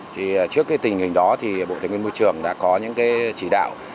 trước cái tình hình đó thì bộ thành viên môi trường đã có những cái chỉ đạo